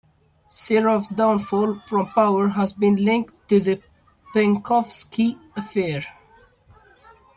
Serov's downfall from power has been linked to the Penkovsky affair.